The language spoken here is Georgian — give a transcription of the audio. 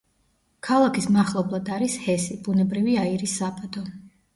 ქალაქის მახლობლად არის ჰესი, ბუნებრივი აირის საბადო.